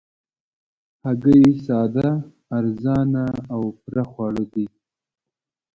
هګۍ ساده، ارزانه او پوره خواړه دي